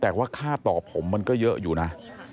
แต่ว่าค่าตอบผมมันก็เยอะอยู่นะ